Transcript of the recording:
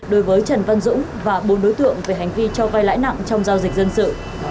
đối với trần văn dũng và bốn đối tượng về hành vi cho vai lãi nặng trong giao dịch dân sự